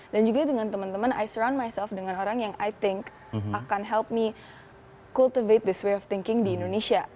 dan juga dengan teman teman i surround myself dengan orang yang i think akan help me cultivate this way of thinking di indonesia